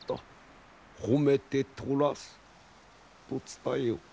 褒めてとらす」と伝えよ。